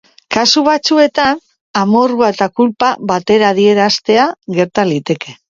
Kasu batzuetan, amorrua eta kulpa batera adieraztea gerta liteke.